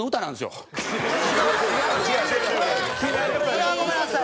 これはごめんなさい。